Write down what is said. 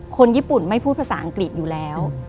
คนญี่ปุ่นไม่พูดภาษาอังกฤษอยู่แล้ว